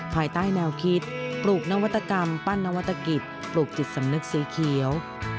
ภายใต้แนวคิดปลูกนวัตกรรมปั้นนวัตกิจปลูกจิตสำนึกสีเขียว